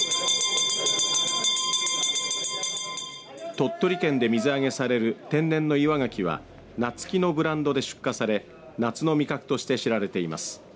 鳥取県で水揚げされる天然の岩ガキは夏輝のブランドで出荷され夏の味覚として知られています。